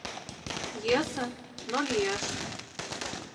Йӧсӧ, но лиеш.